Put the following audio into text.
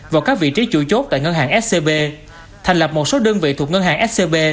vào các vị trí chủ chốt tại ngân hàng scb thành lập một số đơn vị thuộc ngân hàng scb